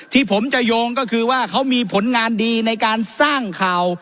ที่ผมจะโยงก็คือว่าเขามีผลงานดีในการสร้างข่าว